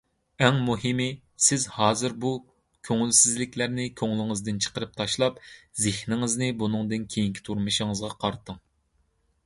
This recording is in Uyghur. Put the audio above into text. ئەڭ مۇھىمى، سىز ھازىر بۇ كۆڭۈلسىزلىكلەرنى كۆڭلىڭىزدىن چىقىرىپ تاشلاپ، زېھنىڭىزنى بۇنىڭدىن كېيىنكى تۇرمۇشىڭىزغا قارىتىڭ.